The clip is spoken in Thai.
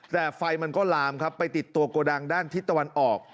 แต่ไฟมันก็ลามครับไปติดตัวโกดังด้านทิศตะวันออก